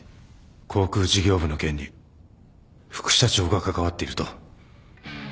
航空事業部の件に副社長が関わっていると？